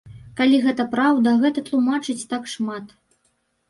Калі гэта праўда, гэта тлумачыць так шмат.